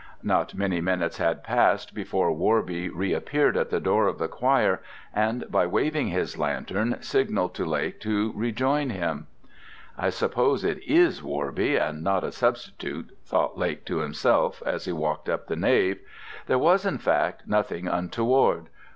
Not many minutes had passed before Worby reappeared at the door of the choir and by waving his lantern signalled to Lake to rejoin him. "I suppose it is Worby, and not a substitute," thought Lake to himself, as he walked up the nave. There was, in fact, nothing untoward.